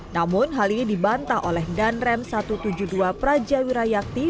namun hal ini dibantah oleh danrem satu ratus tujuh puluh dua praja wirayakti